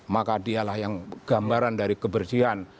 maka dialah yang gambaran dari kebersihan